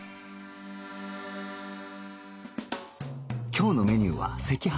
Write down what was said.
今日のメニューは赤飯